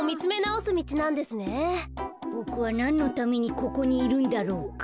ボクはなんのためにここにいるんだろうか。